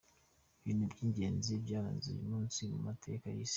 Ibintu by’ingenzi byaranze uyu munsi mu ateka y’isi:.